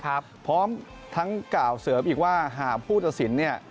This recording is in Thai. ผมพร้อมทั้งก่าวเสริมอีกว่าหาผู้ทศิลป์เนี่ย